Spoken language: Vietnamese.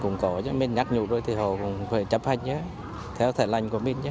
cũng có cho mình nhắc nhục rồi thì họ cũng phải chấp hành nhé theo thể lành của mình nhé